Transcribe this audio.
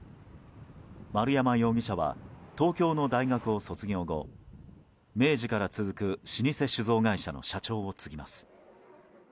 丸山容疑者は東京の大学を卒業後明治から続く老舗酒造会社の社長を継ぎます。